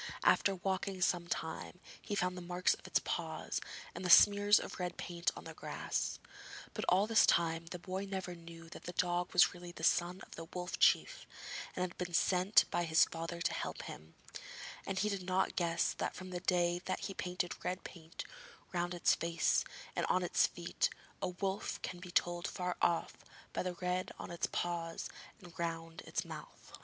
After walking some time he found the marks of its paws, and smears of red paint on the grass. But all this time the boy never knew that the dog was really the son of the Wolf Chief and had been sent by his father to help him, and he did not guess that from the day that he painted red paint round its face and on its feet a wolf can be told far off by the red on its paws and round its mouth.